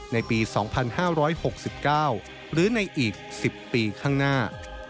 ในปี๒๕๖๙หรือในอีก๑๐ปีข้างหน้า